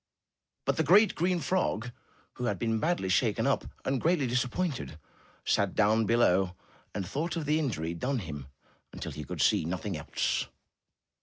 But the great, green frog who had been badly shaken up and greatly disappointed, sat down below and thought of the injury done him till he could see nothing else.